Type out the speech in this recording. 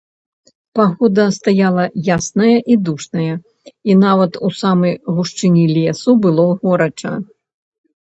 Пагода стаяла ясная і душная, і нават у самай гушчыні лесу было горача.